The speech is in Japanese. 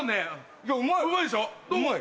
いやうまい！